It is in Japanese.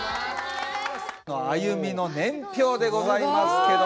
歩みの年表でございますけど。